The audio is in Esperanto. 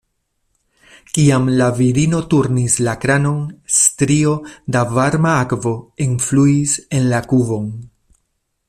Kiam la virino turnis la kranon, strio da varma akvo enfluis en la kuvon.